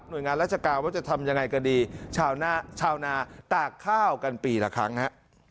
โดยงานราชการว่าจะทำยังไงก็ดีชาวนาตากข้าวกันปีละครั้งฮะ